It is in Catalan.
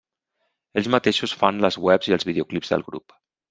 Ells mateixos fan les webs i els videoclips del grup.